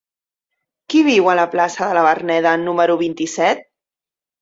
Qui viu a la plaça de la Verneda número vint-i-set?